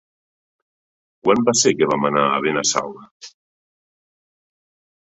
Quan va ser que vam anar a Benassal?